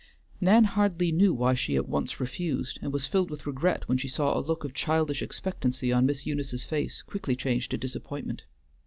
Nan hardly knew why she at once refused, and was filled with regret when she saw a look of childish expectancy on Miss Eunice's face quickly change to disappointment.